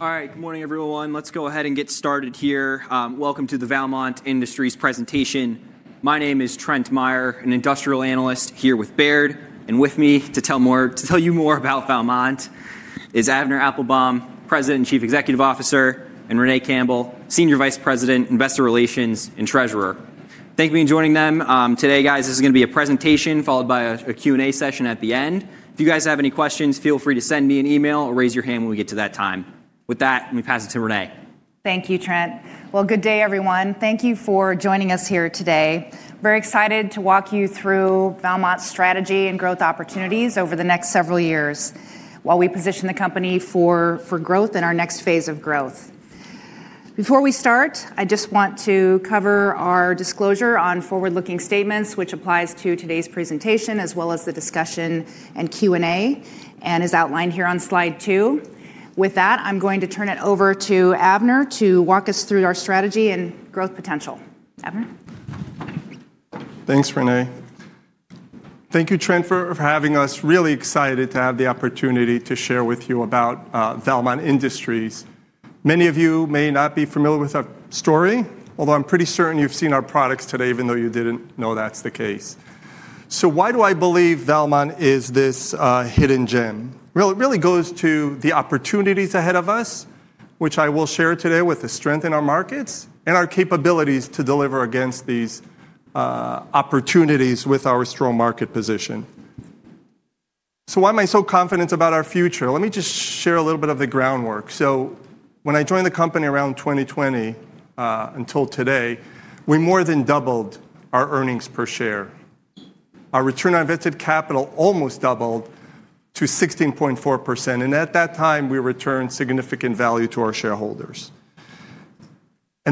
All right, good morning, everyone. Let's go ahead and get started here. Welcome to the Valmont Industries Presentation. My name is Trent Meyer, an Industrial Analyst here with Baird. And with me to tell you more about Valmont is Avner Applbaum, President and Chief Executive Officer, and Renee Campbell, Senior Vice President, Investor Relations, and Treasurer. Thank you for joining them today, guys. This is going to be a presentation followed by a Q&A session at the end. If you guys have any questions, feel free to send me an email or raise your hand when we get to that time. With that, let me pass it to Renee. Thank you, Trent. Well, good day, everyone. Thank you for joining us here today. Very excited to walk you through Valmont's strategy and growth opportunities over the next several years while we position the company for growth and our next phase of growth. Before we start, I just want to cover our disclosure on forward-looking statements, which applies to today's presentation as well as the discussion and Q&A, and is outlined here on slide 2. With that, I'm going to turn it over to Avner to walk us through our strategy and growth potential. Avner? Thanks, Renee. Thank you, Trent, for having us. Really excited to have the opportunity to share with you about Valmont Industries. Many of you may not be familiar with our story, although I'm pretty certain you've seen our products today, even though you didn't know that's the case. Why do I believe Valmont is this hidden gem? It really goes to the opportunities ahead of us, which I will share today with the strength in our markets and our capabilities to deliver against these opportunities with our strong market position. Why am I so confident about our future? Let me just share a little bit of the groundwork. When I joined the company around 2020 until today, we more than doubled our earnings per share. Our return on invested capital almost doubled to 16.4%. At that time, we returned significant value to our shareholders.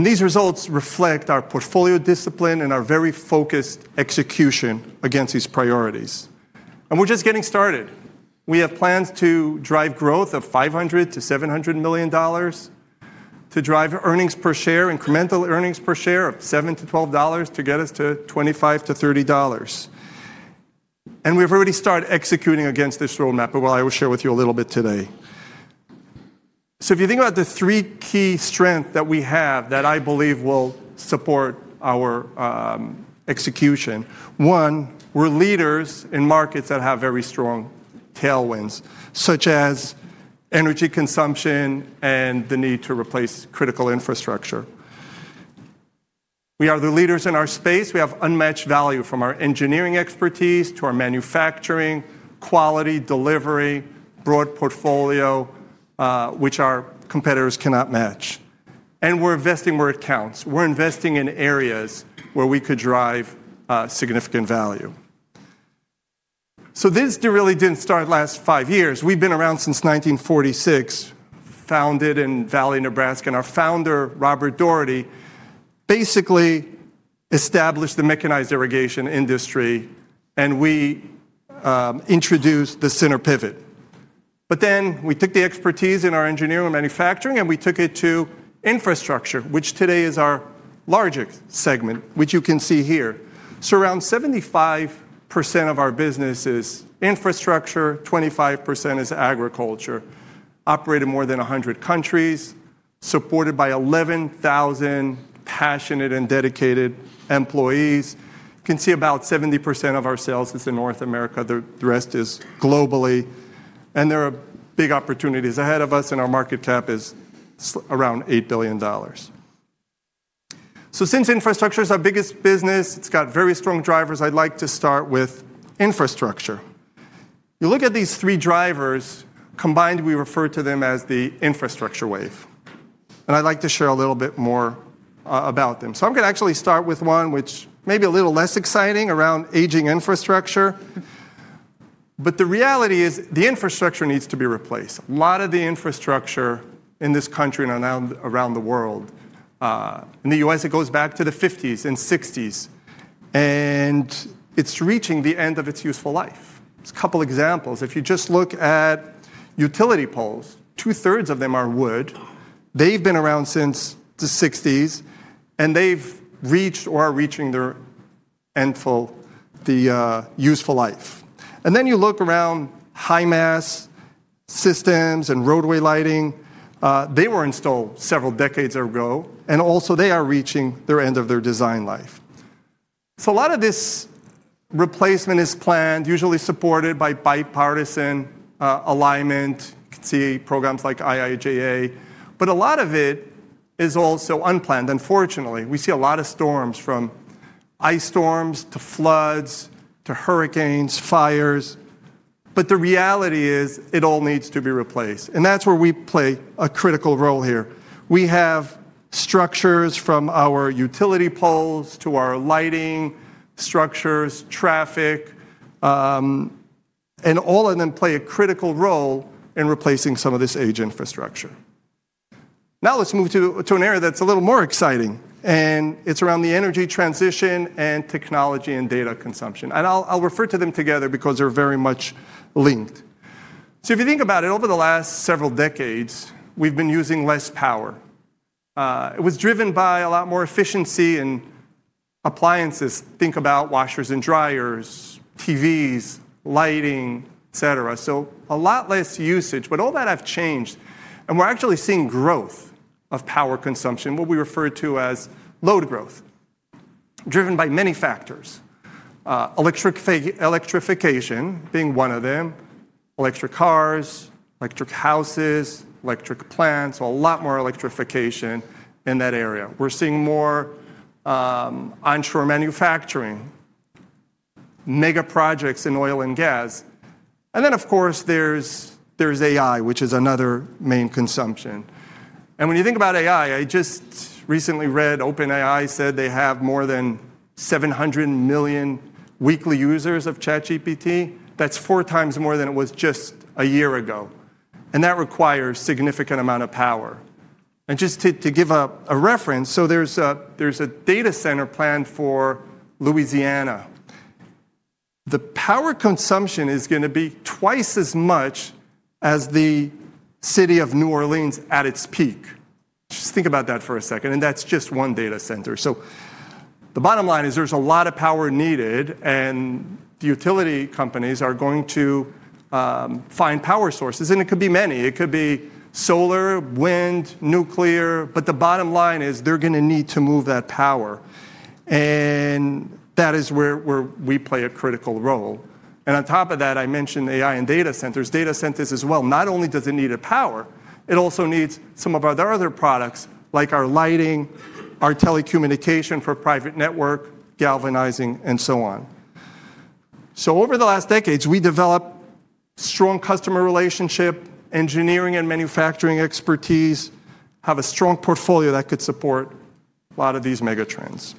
These results reflect our portfolio discipline and our very focused execution against these priorities. We're just getting started. We have plans to drive growth of $500 million-$700 million to drive incremental earnings per share of $7-$12 to get us to $25-$30. We've already started executing against this roadmap, but I will share with you a little bit today. If you think about the three key strengths that we have that I believe will support our execution, one, we're leaders in markets that have very strong tailwinds, such as energy consumption and the need to replace critical infrastructure. We are the leaders in our space. We have unmatched value from our engineering expertise to our manufacturing, quality, delivery, broad portfolio, which our competitors cannot match. We're investing where it counts. We're investing in areas where we could drive significant value. This really didn't start last five years. We've been around since 1946, founded in Valley, Nebraska. Our Founder, Robert Dougherty, basically established the mechanized irrigation industry, and we introduced the center pivot. We took the expertise in our engineering and manufacturing, and we took it to infrastructure, which today is our largest segment, which you can see here. Around 75% of our business is infrastructure, 25% is agriculture, operated in more than 100 countries, supported by 11,000 passionate and dedicated employees. You can see about 70% of our sales is in North America. The rest is globally. There are big opportunities ahead of us, and our market cap is around $8 billion. Since infrastructure is our biggest business, it's got very strong drivers. I'd like to start with infrastructure. You look at these three drivers combined, we refer to them as the infrastructure wave. And I'd like to share a little bit more about them. I'm going to actually start with one, which may be a little less exciting, around aging infrastructure. The reality is the infrastructure needs to be replaced. A lot of the infrastructure in this country and around the world, in the U.S., it goes back to the 1950s and 1960s. And it's reaching the end of its useful life. A couple of examples. If you just look at utility poles, 2/3 of them are wood. They've been around since the 1960s, and they've reached or are reaching their end of useful life. And then you look around high-mast systems and roadway lighting. They were installed several decades ago. Also, they are reaching their end of their design life. A lot of this replacement is planned, usually supported by bipartisan alignment. You can see programs like IIJA. A lot of it is also unplanned, unfortunately. We see a lot of storms, from ice storms to floods to hurricanes, fires. The reality is it all needs to be replaced. That's where we play a critical role here. We have structures from our utility poles to our lighting structures, traffic, and all of them play a critical role in replacing some of this aged infrastructure. Now let's move to an area that's a little more exciting. It's around the energy transition and technology and data consumption. I'll refer to them together because they're very much linked. If you think about it, over the last several decades, we've been using less power. It was driven by a lot more efficiency in appliances. Think about washers and dryers, TVs, lighting, et cetera. A lot less usage. All that has changed. And we're actually seeing growth of power consumption, what we refer to as load growth, driven by many factors. Electrification being one of them. Electric cars, electric houses, electric plants, a lot more electrification in that area. We're seeing more onshore manufacturing, mega projects in oil and gas. And then, of course, there's AI, which is another main consumption. When you think about AI, I just recently read OpenAI said they have more than 700 million weekly users of ChatGPT. That's four times more than it was just a year ago. And that requires a significant amount of power. Just to give a reference, so there's a data center planned for Louisiana. The power consumption is going to be twice as much as the city of New Orleans at its peak. Just think about that for a second. And that's just one data center. The bottom line is there's a lot of power needed. The utility companies are going to find power sources. It could be many. It could be solar, wind, nuclear but the bottom line is they're going to need to move that power. And that is where we play a critical role. On top of that, I mentioned AI and data centers. Data centers as well. Not only does it need power, it also needs some of our other products, like our lighting, our telecom for private network, galvanizing, and so on. Over the last decades, we developed strong customer relationship, engineering and manufacturing expertise, have a strong portfolio that could support a lot of these mega trends.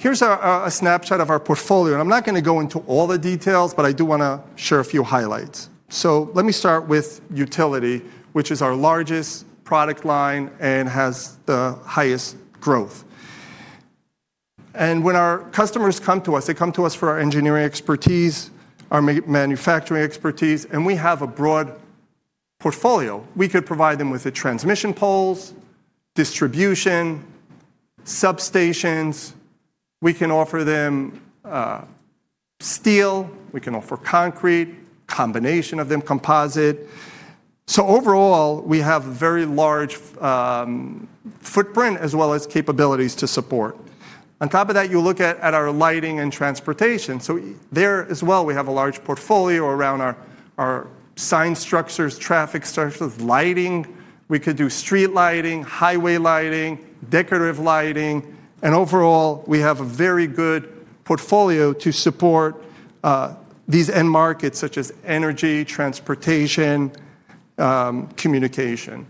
Here's a snapshot of our portfolio. I'm not going to go into all the details, but I do want to share a few highlights. Let me start with utility, which is our largest product line and has the highest growth. When our customers come to us, they come to us for our engineering expertise, our manufacturing expertise. We have a broad portfolio. We could provide them with the transmission poles, distribution, substations. We can offer them steel. We can offer concrete, a combination of them, composite. So overall, we have a very large footprint as well as capabilities to support. On top of that, you look at our lighting and transportation. There as well, we have a large portfolio around our sign structures, traffic structures, lighting. We could do street lighting, highway lighting, decorative lighting. And overall, we have a very good portfolio to support these end markets, such as energy, transportation, communication.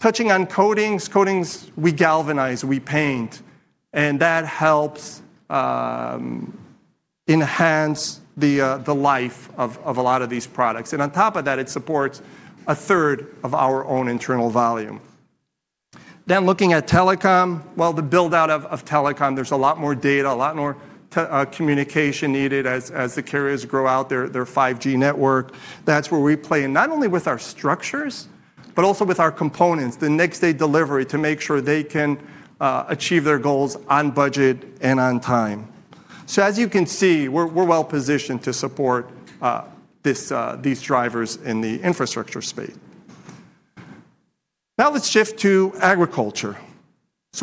Touching on coatings, coatings we galvanize, we paint. And that helps enhance the life of a lot of these products. On top of that, it supports a third of our own internal volume. Then looking at telecom, well, the build-out of telecom, there's a lot more data, a lot more communication needed as the carriers grow out their 5G network. That's where we play, not only with our structures, but also with our components, the next-day delivery to make sure they can achieve their goals on budget and on time. As you can see, we're well-positioned to support these drivers in the infrastructure space. Now let's shift to agriculture.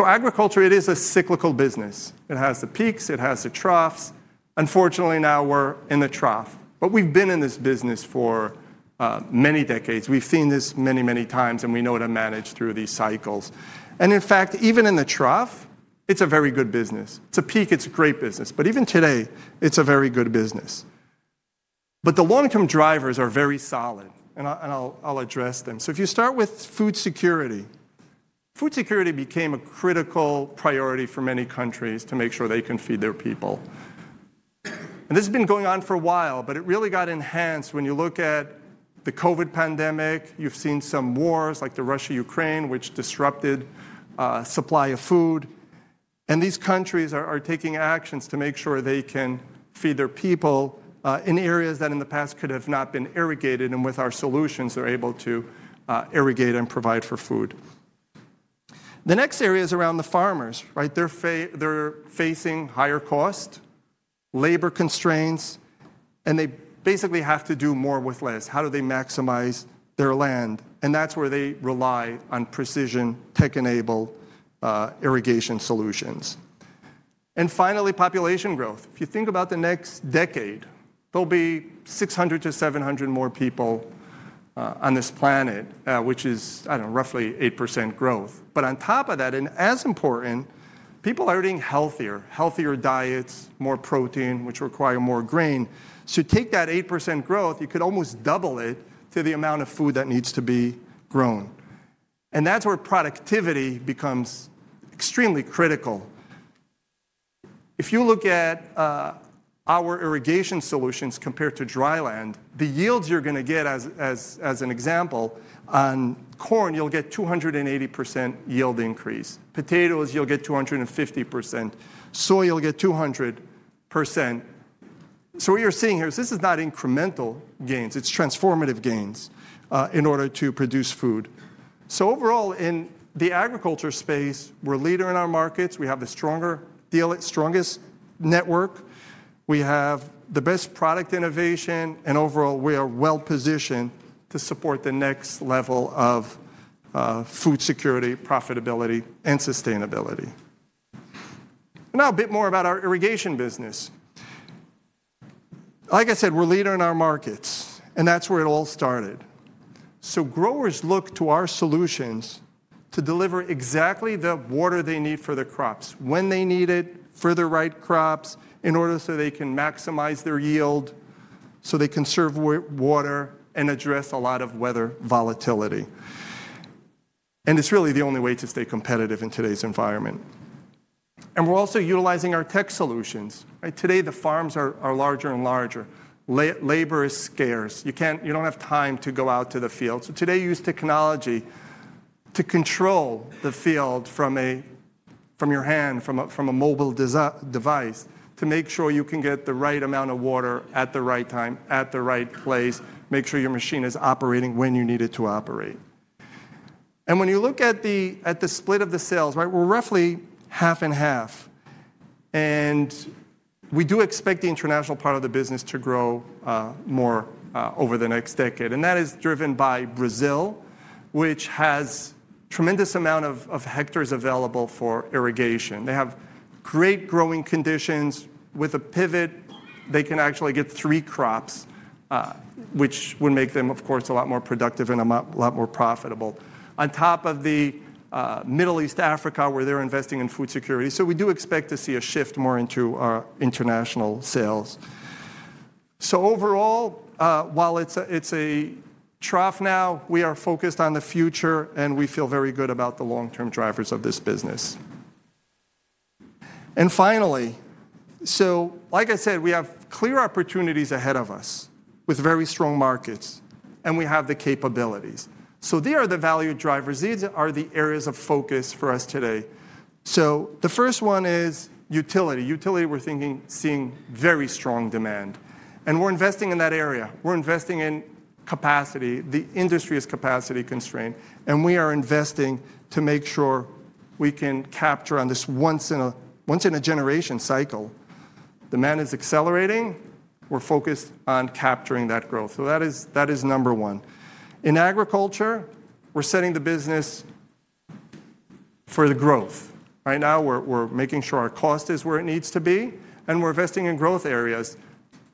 Agriculture, it is a cyclical business. It has the peaks, it has the troughs. Unfortunately, now we're in the trough. We've been in this business for many decades. We've seen this many, many times. And we know to manage through these cycles. In fact, even in the trough, it's a very good business. It's a peak, it's a great business. Even today, it's a very good business. But the long-term drivers are very solid. I'll address them. If you start with food security, food security became a critical priority for many countries to make sure they can feed their people. This has been going on for a while, but it really got enhanced when you look at the COVID pandemic. You've seen some wars like the Russia-Ukraine, which disrupted supply of food. And these countries are taking actions to make sure they can feed their people in areas that in the past could have not been irrigated. And with our solutions, they're able to irrigate and provide for food. The next area is around the farmers. They're facing higher costs, labor constraints, and they basically have to do more with less. How do they maximize their land? And that's where they rely on precision, tech-enabled irrigation solutions. Finally, population growth. If you think about the next decade, there'll be 600-700 more people on this planet, which is roughly 8% growth. On top of that, and as important, people are eating healthier, healthier diets, more protein, which require more grain. Take that 8% growth, you could almost double it to the amount of food that needs to be grown. And that's where productivity becomes extremely critical. If you look at our irrigation solutions compared to dry land, the yields you're going to get, as an example, on corn, you'll get 280% yield increase. Potatoes, you'll get 250%. Soy, you'll get 200%. So what you're seeing here is this is not incremental gains. It's transformative gains in order to produce food. Overall, in the agriculture space, we're a leader in our markets. We have the strongest network. We have the best product innovation. And overall, we are well-positioned to support the next level of food security, profitability, and sustainability. Now a bit more about our irrigation business. Like I said, we're a leader in our markets. And that's where it all started. So, growers look to our solutions to deliver exactly the water they need for their crops, when they need it, for the right crops, in order so they can maximize their yield, so they conserve water and address a lot of weather volatility. It's really the only way to stay competitive in today's environment. We're also utilizing our tech solutions. Today, the farms are larger and larger. Labor is scarce. You don't have time to go out to the field. Today, you use technology to control the field from your hand, from a mobile device, to make sure you can get the right amount of water at the right time, at the right place, make sure your machine is operating when you need it to operate. When you look at the split of the sales, we're roughly half and half. We do expect the international part of the business to grow more over the next decade. And that is driven by Brazil, which has a tremendous amount of hectares available for irrigation. They have great growing conditions. With a pivot, they can actually get three crops, which would make them, of course, a lot more productive and a lot more profitable. On top of the Middle East, Africa, where they're investing in food security. We do expect to see a shift more into our international sales. Overall, while it's a trough now, we are focused on the future. And we feel very good about the long-term drivers of this business. Finally, so like I said, we have clear opportunities ahead of us with very strong markets. We have the capabilities. These are the value drivers. These are the areas of focus for us today. So the first one is utility. Utility, we're seeing very strong demand. And we're investing in that area. We're investing in capacity. The industry is capacity constrained. We are investing to make sure we can capture on this once-in-a-generation cycle. Demand is accelerating. We're focused on capturing that growth. So that is number one. In agriculture, we're setting the business for the growth. Right now, we're making sure our cost is where it needs to be. We're investing in growth areas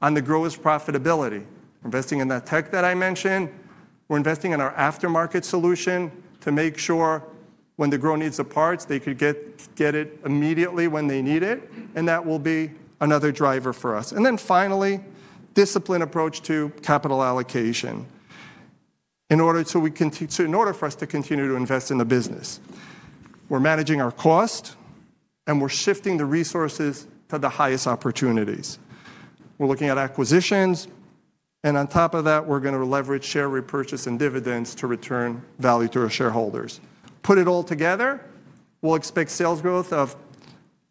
on the grower's profitability. We're investing in that tech that I mentioned. We're investing in our aftermarket solution to make sure when the grower needs the parts, they could get it immediately when they need it. And that will be another driver for us. And then finally, discipline approach to capital allocation in order for us to continue to invest in the business. We're managing our cost. We're shifting the resources to the highest opportunities. We're looking at acquisitions. On top of that, we're going to leverage share repurchase and dividends to return value to our shareholders. Put it all together, we'll expect sales growth of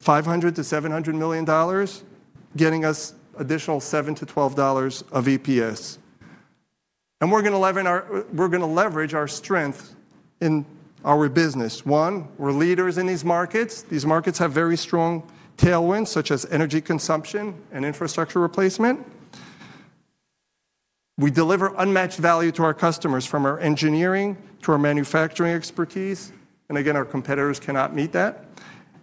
$500 million-$700 million, getting us additional $7-$12 of EPS. We're going to leverage our strength in our business. One, we're leaders in these markets. These markets have very strong tailwinds, such as energy consumption and infrastructure replacement. We deliver unmatched value to our customers from our engineering to our manufacturing expertise. Again, our competitors cannot meet that.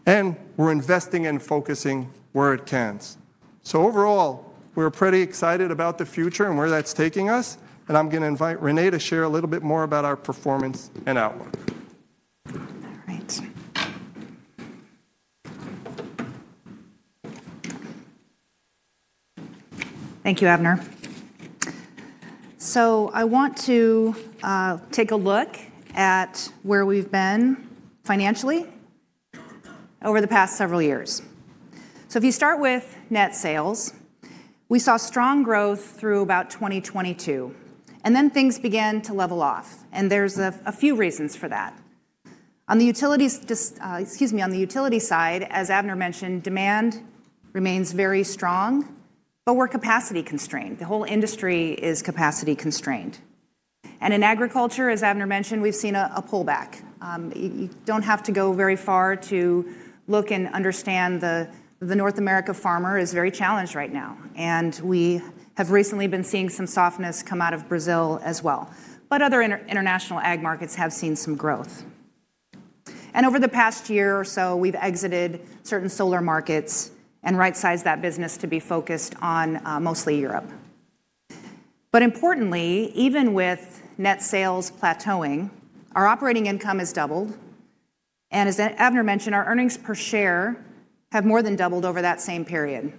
We're investing and focusing where it counts. Overall, we're pretty excited about the future and where that's taking us. I'm going to invite Renee to share a little bit more about our performance and outlook. All right. Thank you, Avner. I want to take a look at where we've been financially over the past several years. If you start with net sales, we saw strong growth through about 2022. And then things began to level off. And there's a few reasons for that. On the utility side, as Avner mentioned, demand remains very strong. But we're capacity constrained. The whole industry is capacity constrained. And in agriculture, as Avner mentioned, we've seen a pullback. You don't have to go very far to look and understand the North America farmer is very challenged right now. And we have recently been seeing some softness come out of Brazil as well. But other international ag markets have seen some growth. Over the past year or so, we've exited certain solar markets and right-sized that business to be focused on mostly Europe. Importantly, even with net sales plateauing, our operating income has doubled. And as Avner mentioned, our earnings per share have more than doubled over that same period.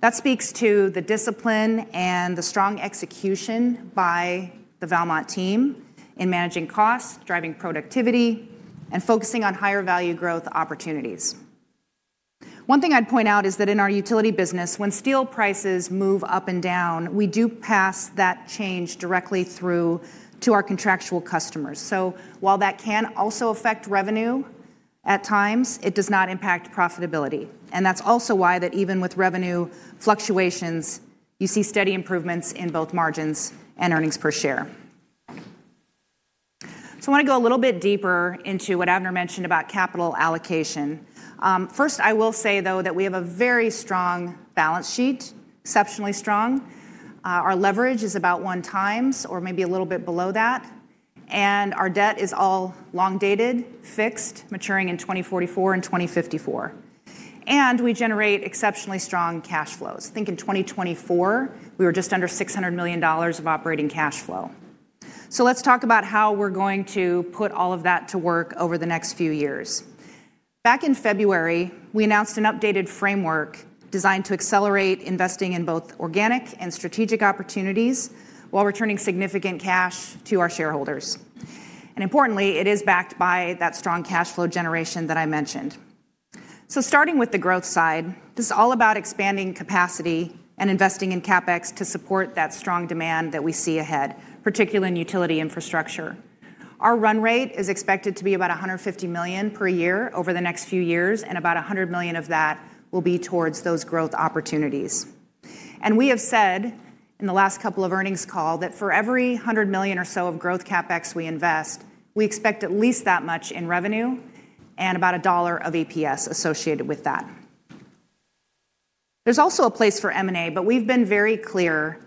That speaks to the discipline and the strong execution by the Valmont team in managing costs, driving productivity, and focusing on higher value growth opportunities. One thing I'd point out is that in our utility business, when steel prices move up and down, we do pass that change directly through to our contractual customers. While that can also affect revenue at times, it does not impact profitability. And that's also why that even with revenue fluctuations, you see steady improvements in both margins and earnings per share. I want to go a little bit deeper into what Avner mentioned about capital allocation. First, I will say, though, that we have a very strong balance sheet, exceptionally strong. Our leverage is about 1x or maybe a little bit below that. And our debt is all long-dated, fixed, maturing in 2044 and 2054. We generate exceptionally strong cash flows. I think in 2024, we were just under $600 million of operating cash flow. So let's talk about how we're going to put all of that to work over the next few years. Back in February, we announced an updated framework designed to accelerate investing in both organic and strategic opportunities while returning significant cash to our shareholders. Importantly, it is backed by that strong cash flow generation that I mentioned. So starting with the growth side, this is all about expanding capacity and investing in CapEx to support that strong demand that we see ahead, particularly in utility infrastructure. Our run rate is expected to be about $150 million per year over the next few years. And about $100 million of that will be towards those growth opportunities. We have said in the last couple of earnings calls that for every $100 million or so of growth CapEx we invest, we expect at least that much in revenue and about a dollar of EPS associated with that. There's also a place for M&A. But we've been very clear.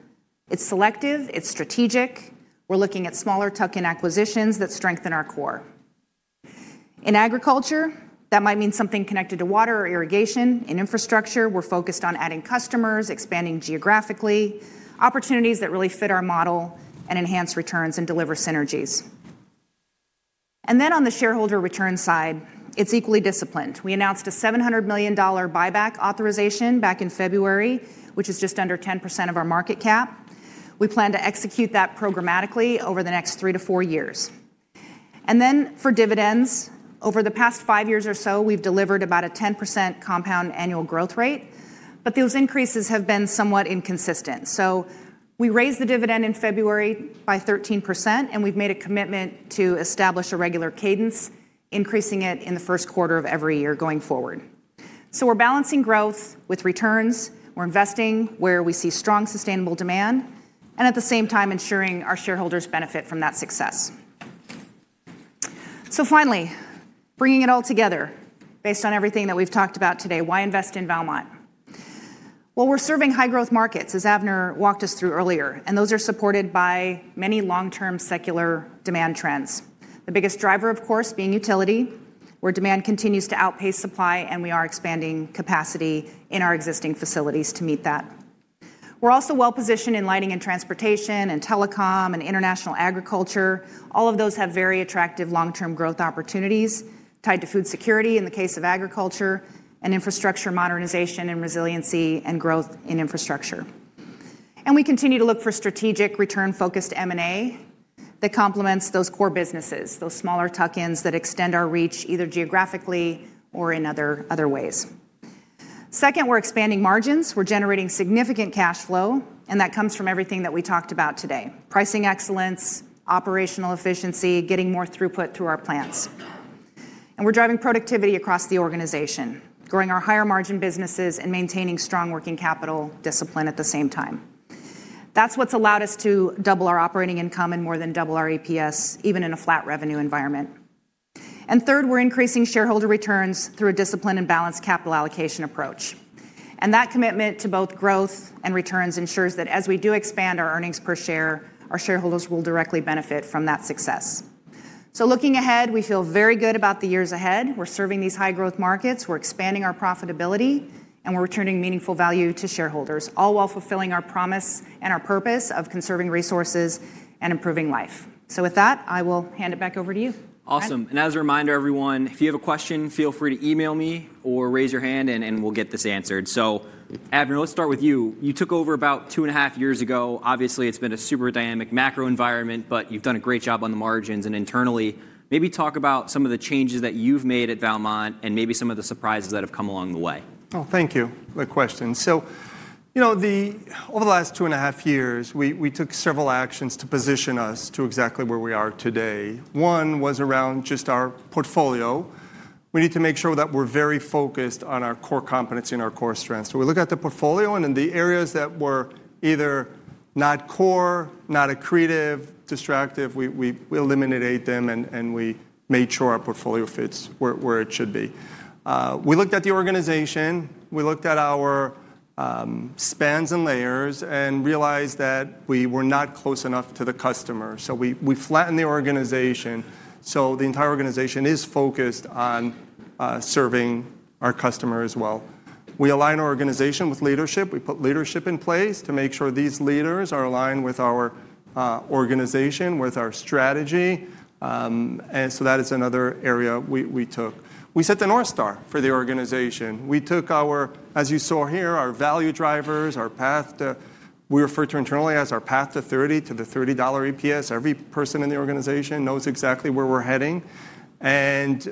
It's selective. It's strategic. We're looking at smaller tuck-in acquisitions that strengthen our core. In agriculture, that might mean something connected to water or irrigation. In infrastructure, we're focused on adding customers, expanding geographically, opportunities that really fit our model and enhance returns and deliver synergies. And then on the shareholder return side, it's equally disciplined. We announced a $700 million buyback authorization back in February, which is just under 10% of our market cap. We plan to execute that programmatically over the next three to four years. And then for dividends, over the past five years or so, we've delivered about a 10% compound annual growth rate. Those increases have been somewhat inconsistent. We raised the dividend in February by 13%. And we've made a commitment to establish a regular cadence, increasing it in the first quarter of every year going forward. We're balancing growth with returns. We're investing where we see strong sustainable demand and at the same time ensuring our shareholders benefit from that success. Finally, bringing it all together based on everything that we've talked about today, why invest in Valmont? Well, we're serving high-growth markets, as Avner walked us through earlier. And those are supported by many long-term secular demand trends. The biggest driver, of course, being utility, where demand continues to outpace supply. And we are expanding capacity in our existing facilities to meet that. We're also well-positioned in lighting and transportation and telecom and international agriculture. All of those have very attractive long-term growth opportunities tied to food security in the case of agriculture and infrastructure modernization and resiliency and growth in infrastructure. We continue to look for strategic return-focused M&A that complements those core businesses, those smaller tuck-ins that extend our reach either geographically or in other ways. Second, we're expanding margins. We're generating significant cash flow. And that comes from everything that we talked about today: pricing excellence, operational efficiency, getting more throughput through our plants. We're driving productivity across the organization, growing our higher-margin businesses and maintaining strong working capital discipline at the same time. That's what's allowed us to double our operating income and more than double our EPS, even in a flat revenue environment. And third, we're increasing shareholder returns through a disciplined and balanced capital allocation approach. And that commitment to both growth and returns ensures that as we do expand our earnings per share, our shareholders will directly benefit from that success. Looking ahead, we feel very good about the years ahead. We're serving these high-growth markets. We're expanding our profitability. And we're returning meaningful value to shareholders, all while fulfilling our promise and our purpose of conserving resources and improving life. So with that, I will hand it back over to you. Awesome. And as a reminder, everyone, if you have a question, feel free to email me or raise your hand and we'll get this answered. So Avner, let's start with you. You took over about two and a half years ago. Obviously, it's been a super dynamic macro environment. But you've done a great job on the margins and internally. Maybe talk about some of the changes that you've made at Valmont and maybe some of the surprises that have come along the way. Oh, thank you for the question. Over the last two and a half years, we took several actions to position us to exactly where we are today. One was around just our portfolio. We need to make sure that we're very focused on our core competency and our core strengths. We looked at the portfolio and in the areas that were either not core, not accretive, distractive, we eliminated them. And we made sure our portfolio fits where it should be. We looked at the organization. We looked at our spans and layers and realized that we were not close enough to the customer. So we flattened the organization. The entire organization is focused on serving our customer as well. We align our organization with leadership. We put leadership in place to make sure these leaders are aligned with our organization, with our strategy. And so that is another area we took. We set the North Star for the organization. We took our, as you saw here, our value drivers, our path to we refer to internally as our path to 30 to the $30 EPS. Every person in the organization knows exactly where we're heading. And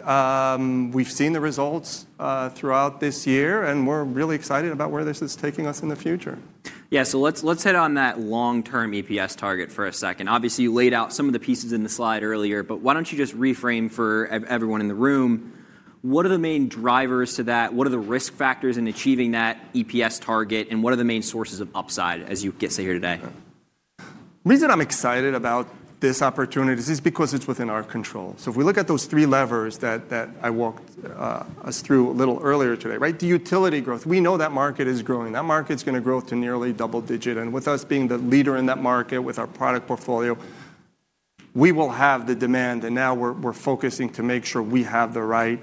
we've seen the results throughout this year. And we're really excited about where this is taking us in the future. Yeah. So let's hit on that long-term EPS target for a second. Obviously, you laid out some of the pieces in the slide earlier. But why don't you just reframe for everyone in the room? What are the main drivers to that? What are the risk factors in achieving that EPS target? And what are the main sources of upside as you get to here today? The reason I'm excited about this opportunity is because it's within our control. So if we look at those three levers that I walked us through a little earlier today, right, the utility growth, we know that market is growing. That market's going to grow to nearly double digit. And with us being the leader in that market with our product portfolio, we will have the demand. And now we're focusing to make sure we have the right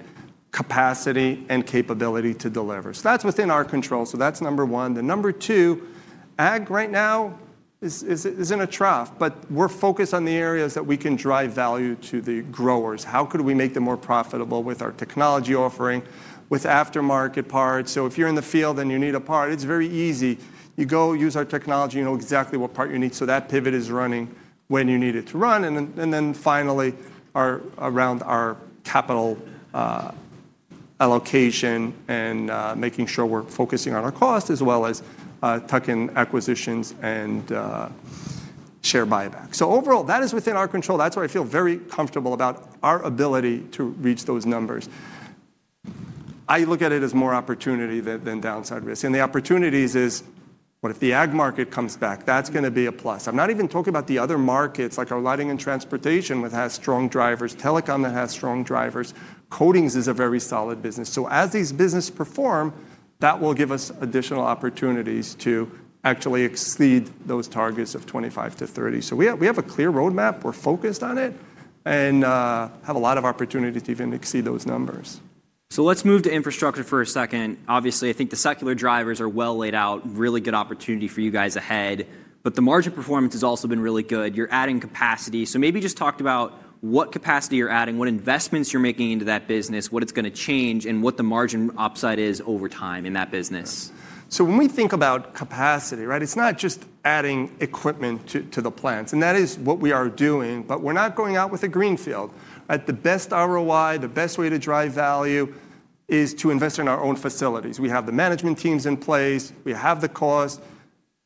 capacity and capability to deliver. So that's within our control. So that's number one. The number two, ag right now is in a trough. But we're focused on the areas that we can drive value to the growers. How could we make them more profitable with our technology offering, with aftermarket parts? So if you're in the field and you need a part, it's very easy. You go, use our technology. You know exactly what part you need. So that pivot is running when you need it to run. And then finally, around our capital allocation and making sure we're focusing on our cost as well as tuck-in acquisitions and share buyback. Overall, that is within our control. That's why I feel very comfortable about our ability to reach those numbers. I look at it as more opportunity than downside risk. And the opportunities is, what if the ag market comes back? That's going to be a plus. I'm not even talking about the other markets, like our lighting and transportation, which has strong drivers. Telecom has strong drivers. Coatings is a very solid business. So as these businesses perform, that will give us additional opportunities to actually exceed those targets of $25 to $30. So we have a clear roadmap. We're focused on it and have a lot of opportunity to even exceed those numbers. So let's move to infrastructure for a second. Obviously, I think the secular drivers are well laid out, really good opportunity for you guys ahead. But the margin performance has also been really good. You're adding capacity. So maybe just talk about what capacity you're adding, what investments you're making into that business, what it's going to change, and what the margin upside is over time in that business. So when we think about capacity, right, it's not just adding equipment to the plants. And that is what we are doing. But we're not going out with a greenfield. At the best ROI, the best way to drive value is to invest in our own facilities. We have the management teams in place. We have the cost.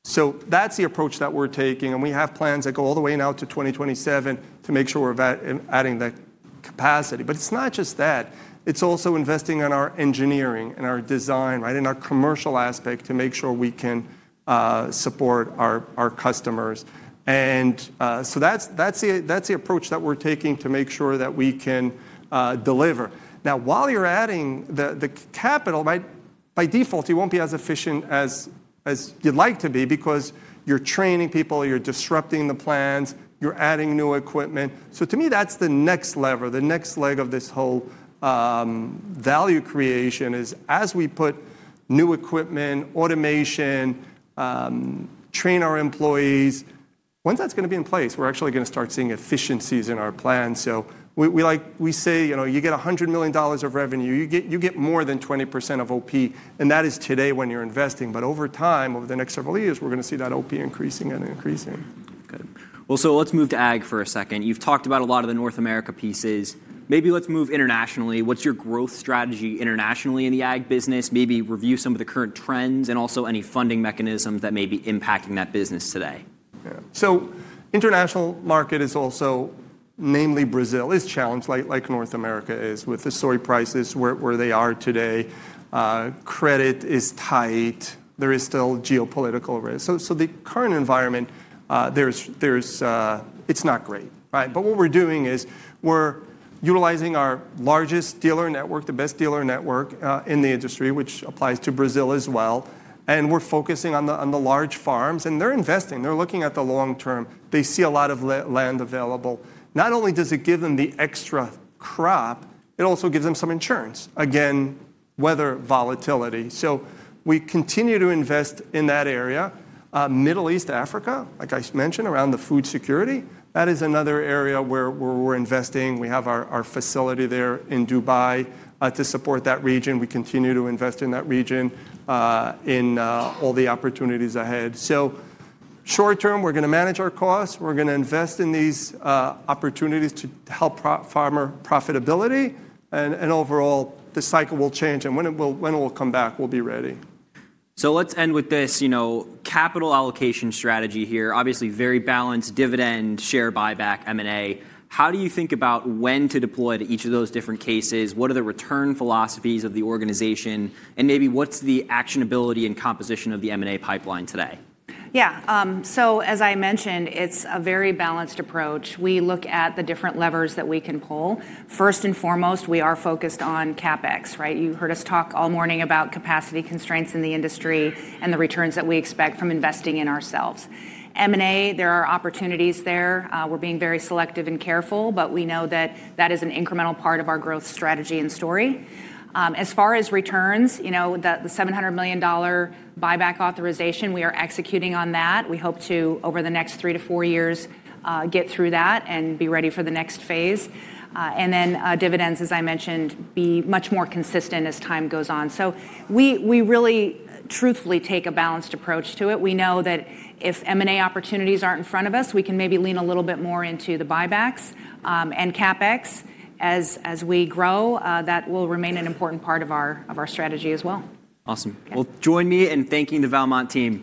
So that's the approach that we're taking. And we have plans that go all the way now to 2027 to make sure we're adding that capacity. But it's not just that. It's also investing in our engineering and our design, right, and our commercial aspect to make sure we can support our customers. And so that's the approach that we're taking to make sure that we can deliver. Now, while you're adding the capital, right, by default, you won't be as efficient as you'd like to be because you're training people. You're disrupting the plans. You're adding new equipment. So to me, that's the next lever, the next leg of this whole value creation is as we put new equipment, automation, train our employees. Once that's going to be in place, we're actually going to start seeing efficiencies in our plans. So we say you get $100 million of revenue. You get more than 20% of OP. And that is today when you're investing. But over time, over the next several years, we're going to see that OP increasing and increasing. Good. Well, so let's move to ag for a second. You've talked about a lot of the North America pieces. Maybe let's move internationally. What's your growth strategy internationally in the ag business? Maybe review some of the current trends and also any funding mechanisms that may be impacting that business today. So international market is also namely Brazil is challenged, like North America is, with the soy prices where they are today. Credit is tight. There is still geopolitical risk. So the current environment, it's not great, right? But what we're doing is we're utilizing our largest dealer network, the best dealer network in the industry, which applies to Brazil as well. And we're focusing on the large farms. And they're investing. They're looking at the long term. They see a lot of land available. Not only does it give them the extra crop, it also gives them some insurance, again, weather volatility. So we continue to invest in that area. Middle East, Africa, like I mentioned, around the food security, that is another area where we're investing. We have our facility there in Dubai to support that region. We continue to invest in that region in all the opportunities ahead. So short term, we're going to manage our costs. We're going to invest in these opportunities to help farmer profitability. And overall, the cycle will change. And when it will come back, we'll be ready. So let's end with this capital allocation strategy here. Obviously, very balanced dividend, share buyback, M&A. How do you think about when to deploy to each of those different cases? What are the return philosophies of the organization? And maybe what's the actionability and composition of the M&A pipeline today? Yeah. So as I mentioned, it's a very balanced approach. We look at the different levers that we can pull. First and foremost, we are focused on CapEx, right? You heard us talk all morning about capacity constraints in the industry and the returns that we expect from investing in ourselves. M&A, there are opportunities there. We're being very selective and careful. But we know that that is an incremental part of our growth strategy and story. As far as returns, the $700 million buyback authorization, we are executing on that. We hope to, over the next three to four years, get through that and be ready for the next phase. And then dividends, as I mentioned, be much more consistent as time goes on. So we really truthfully take a balanced approach to it. We know that if M&A opportunities aren't in front of us, we can maybe lean a little bit more into the buybacks. And CapEx, as we grow, that will remain an important part of our strategy as well. Awesome. Well, join me in thanking the Valmont team.